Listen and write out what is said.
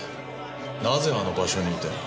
なぜあの場所にいた？